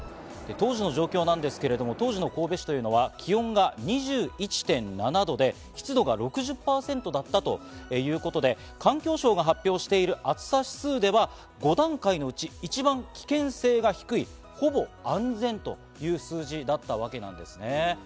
当時の状況なんですけれども、当時の神戸市というのは気温が２１．７度で湿度が６０％だったということで環境省が発表している暑さ指数では５段階のうち、一番危険性が低いほぼ安全という数字だったわけなんですね。